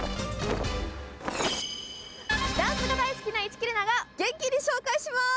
ダンスが大好きな市來玲奈が元気に紹介します。